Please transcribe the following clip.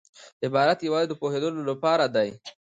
عبارت یوازي د پوهېدو له پاره دئ.